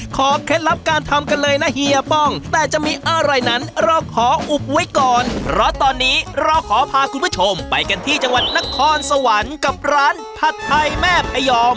เคล็ดลับการทำกันเลยนะเฮียป้องแต่จะมีอะไรนั้นเราขออุบไว้ก่อนเพราะตอนนี้เราขอพาคุณผู้ชมไปกันที่จังหวัดนครสวรรค์กับร้านผัดไทยแม่พยอม